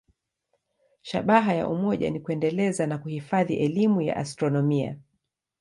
Shabaha ya umoja ni kuendeleza na kuhifadhi elimu ya astronomia.